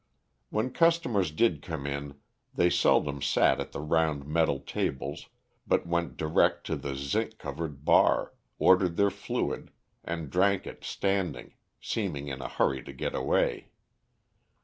When customers did come in they seldom sat at the round metal tables, but went direct to the zinc covered bar, ordered their fluid and drank it standing, seeming in a hurry to get away.